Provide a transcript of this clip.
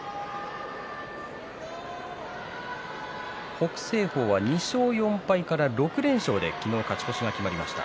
北青鵬は２勝４敗から６連勝で昨日、勝ち越しが決まりました。